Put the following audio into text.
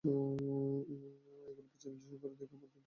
এগুলো বিচার বিশ্লেষণ করে দেখি, আমাদের ভোট বেশি কিন্তু সিট কম।